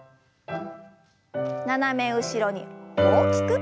斜め後ろに大きく。